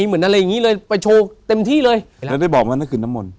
เหมือนอะไรอย่างงี้เลยไปโชว์เต็มที่เลยแล้วได้บอกแล้วนั่นคือน้ำมนต